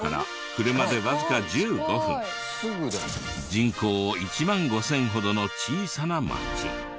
人口１万５０００ほどの小さな町。